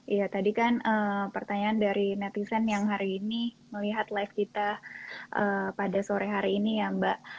iya tadi kan pertanyaan dari netizen yang hari ini melihat live kita pada sore hari ini ya mbak